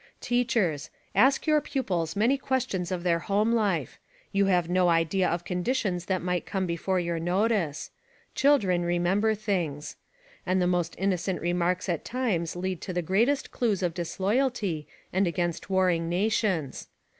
Teachers : Ask your pupils many questions of their home life. You have SPY PROOF AMERICA 21 no idea of conditions that might come before your notice ; children remember things. And the most innocent remarks at times lead to the greatest clues of disloyalty and against warring natiions.